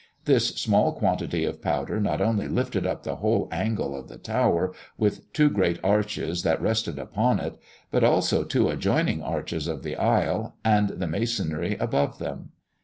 This small quantity of powder not only lifted up the whole angle of the tower, with two great arches that rested upon it, but also two adjoining arches of the aisle, and the masonry above them.